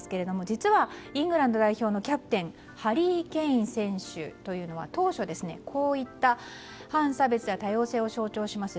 実はイングランド代表のキャプテンハリー・ケイン選手というのは当初、こういった反差別や多様性を象徴します